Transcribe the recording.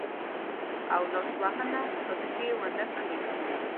او لاس وهنه پکښې ونه کړي.